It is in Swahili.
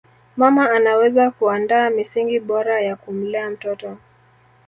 mama anaweza kuandaa misingi bora ya kumlea mtoto